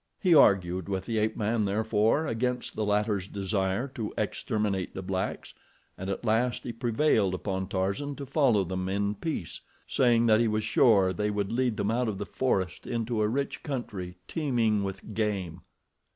He argued with the ape man therefore, against the latter's desire to exterminate the blacks, and at last he prevailed upon Tarzan to follow them in peace, saying that he was sure they would lead them out of the forest into a rich country, teeming with game.